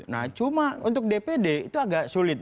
nah cuma untuk dpd itu agak sulit